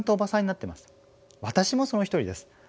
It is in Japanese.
私もその一人です。